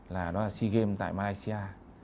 là nó là sea games tại malaysia